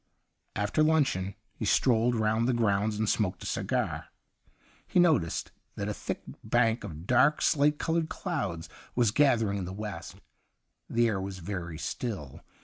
After luncheon he strolled round the grounds and smoked a cigar. He noticed that a thick bank of dark, slate coloured clouds was gathering in the west. The air was very still.